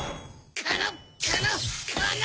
このこのこの！